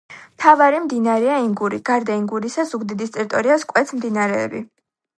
მთავარი მდინარეა ენგური. გარდა ენგურისა ზუგდიდის ტერიტორიას კვეთს მდინარეები